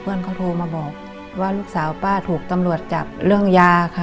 เพื่อนเขาโทรมาบอกว่าลูกสาวป้าถูกตำรวจหยัดแบบความเก็บเรื่องยาค่ะ